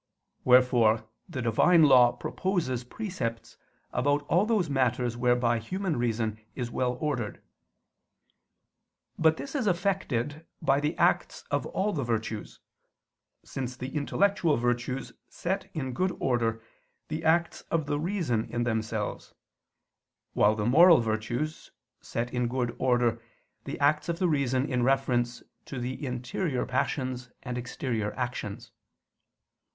Wherefore the Divine law proposes precepts about all those matters whereby human reason is well ordered. But this is effected by the acts of all the virtues: since the intellectual virtues set in good order the acts of the reason in themselves: while the moral virtues set in good order the acts of the reason in reference to the interior passions and exterior actions.